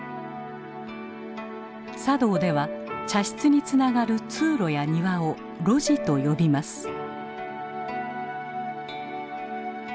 茶道では茶室につながる通路や庭を「露地」と呼びます。